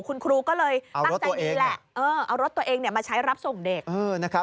คุณครูก็เลยตั้งใจดีแหละเอารถตัวเองมาใช้รับส่งเด็กนะครับ